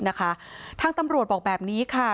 ทางตำรวจบอกแบบนี้ค่ะ